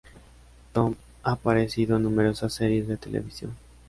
Tom ha aparecido en numerosas series de televisión.